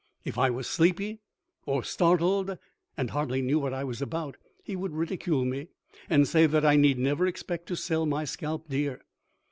If I was sleepy or startled and hardly knew what I was about, he would ridicule me and say that I need never expect to sell my scalp dear.